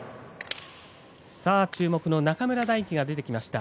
さあ注目の中村泰輝が出てきました。